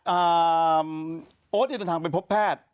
อ่าโอ๊ดเดินทางไปพบแพทย์